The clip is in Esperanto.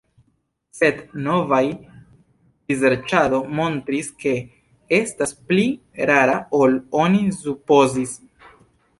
Sed novaj priserĉado montris, ke estas pli rara ol oni supozis.